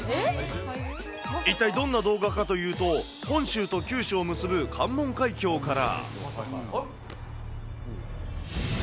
一体どんな動画かというと、本州と九州を結ぶ関門海峡から。